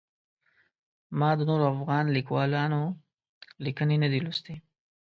ما د نورو افغان لیکوالانو لیکنې نه دي لوستلي.